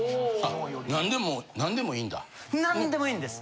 何でも何でもいいんだ。